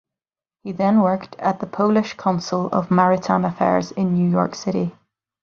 He then worked at the Polish consul of maritime affairs in New York City.